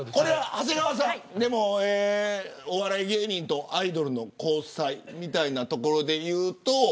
長谷川さん、お笑い芸人とアイドルの交際みたいなところで言うと。